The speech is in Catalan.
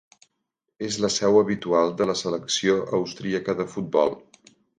És la seu habitual de la selecció austríaca de futbol.